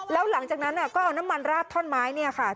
แล้วหลังจากนั้นก็เอาน้ำมันราดท่อนไม้เนี่ยค่ะ